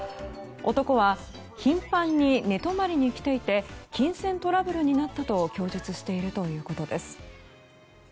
男は、頻繁に寝泊まりに来ていて金銭トラブルになったと供述しているということです。